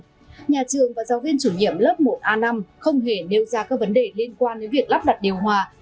nhà trường và giáo viên chủ nhiệm lớp một a năm không hề nêu ra các vấn đề liên quan đến việc lắp đặt điều hòa